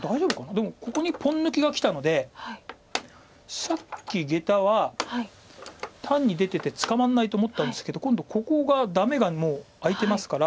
でもここにポン抜きがきたのでさっきゲタは単に出てて捕まらないと思ったんですけど今度ここがダメがもう空いてますから。